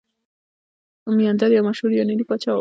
میناندر یو مشهور یوناني پاچا و